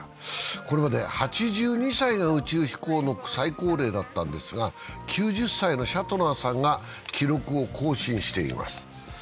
これまで８２歳が宇宙飛行の最高齢だったんですが、９０歳のシャトナーさんが記録を更新しています。